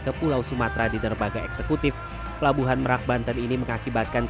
ke pulau sumatera di derbaga eksekutif pelabuhan merak banten ini mengakibatkan